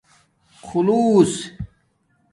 خُݸلُوس